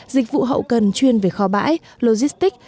dịch vụ hậu cần chuyên về kho bãi logistics